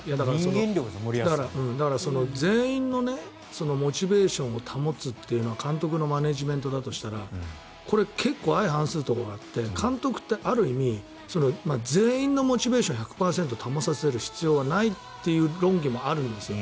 人間力ですよ森保さんの。全員のモチベーションを保つというのが監督のマネジメントだとしたらこれ、結構相反するところがあって監督ってある意味全員のモチベーションを１００％保たせる必要はないという論議もあるんですよ。